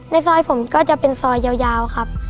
ในซอยผมก็จะเป็นซอยยาวครับ